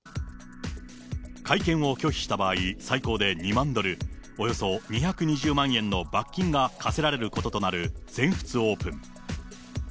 会見を拒否した場合、最高で２万ドル、およそ２２０万円の罰金が科せられることとなる全仏オープン。